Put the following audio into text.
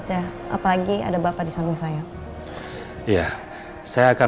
mengundurkan saya untuk mengundurkan saya untuk mengundurkan saya untuk mengundurkan saya untuk